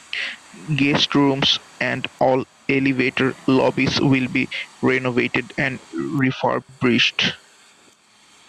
Guest rooms and all elevator lobbies will be renovated and refurbished.